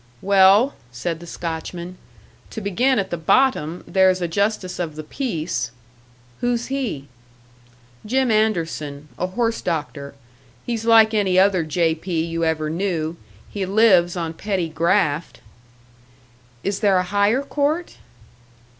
"Well," said the Scotchman, "to begin at the bottom, there's a justice of the peace." "Who's he?" "Jim Anderson, a horse doctor. He's like any other J.P. you ever knew he lives on petty graft." "Is there a higher court?"